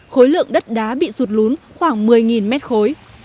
khối lượng đất đá bị sụt lún khoảng một mươi mét khối